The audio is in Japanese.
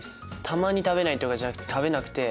たまに食べないとかじゃなくて食べなくて。